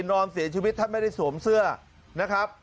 นอนเสียชีวิตท่านไม่ได้สวมเสื้อนะครับ